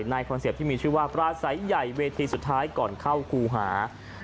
คอนเซ็ปต์ที่มีชื่อว่าปลาใสใหญ่เวทีสุดท้ายก่อนเข้าครูหา